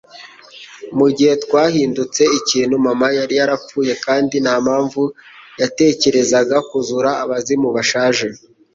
Mugihe twahindutse ikintu, mama yari yarapfuye kandi ntampamvu yatekerezaga kuzura abazimu bashaje.